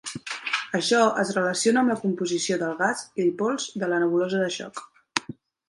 Això es relaciona amb la composició del gas i pols de la nebulosa de xoc.